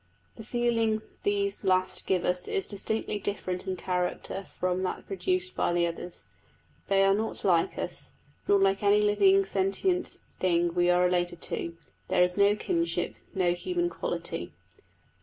The feeling these last give us is distinctly different in character from that produced by the others. They are not like us, nor like any living sentient thing we are related to: there is no kinship, no human quality.